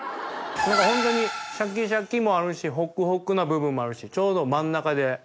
ホントにシャキシャキもあるしホクホクな部分もあるしちょうど真ん中で。